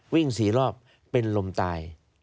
วิ่ง๔รอบเป็นลมตาย